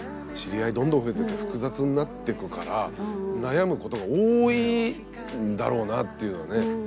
知り合いどんどん増えてって複雑になってくから悩むことが多いんだろうなっていうのはね。